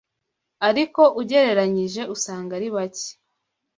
ariko ugereranyije usanga ari bake